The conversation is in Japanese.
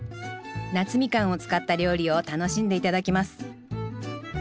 夏蜜柑を使った料理を楽しんで頂きます